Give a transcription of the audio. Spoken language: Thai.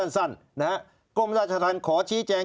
สั้นนะฮะกรมราชธรรมขอชี้แจง